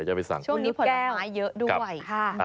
ช่วงนี้ผลประมาณเยอะด้วย